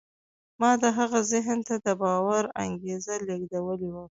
ما د هغه ذهن ته د باور انګېزه لېږدولې وه